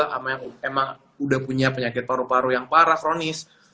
sama yang emang udah punya penyakit paru paru yang parah kronis